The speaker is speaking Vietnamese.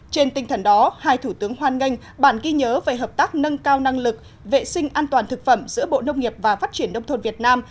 trên tinh thần đó hai thủ tướng hoan nghênh bản ghi nhớ về hợp tác nâng cao năng lực vệ sinh an toàn thực phẩm giữa bộ nông nghiệp và phát triển nông thôn việt nam